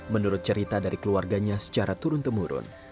menurut cerita dari keluarganya secara turun temurun